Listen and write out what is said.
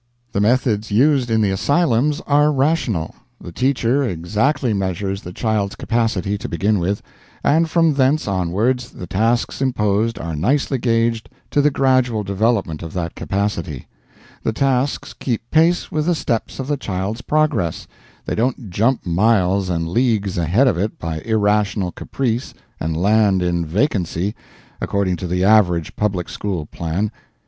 The methods used in the asylums are rational. The teacher exactly measures the child's capacity, to begin with; and from thence onwards the tasks imposed are nicely gauged to the gradual development of that capacity, the tasks keep pace with the steps of the child's progress, they don't jump miles and leagues ahead of it by irrational caprice and land in vacancy according to the average public school plan.